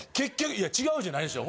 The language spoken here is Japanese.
いや違うじゃないでしょ。